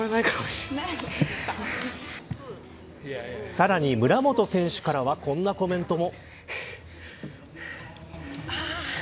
さらに、村元選手からはこんなコメントも。